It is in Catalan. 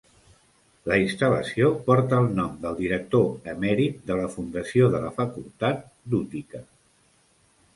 La instal·lació porta el nom del director emèrit de la fundació de la facultat d'Utica.